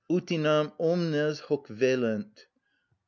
Utinam omnes hoc vellent!